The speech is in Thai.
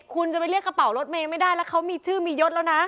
คุณจะไม่เรียกกระเป๋ารถเมย์ไม่ได้แล้วเขาที่มีืดเยอะแล้วนะคะ